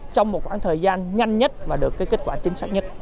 trong một khoảng thời gian nhanh nhất và được kết quả chính xác nhất